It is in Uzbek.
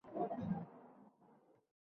Ular bor joyda adolatsizlikka o‘rin yo‘q!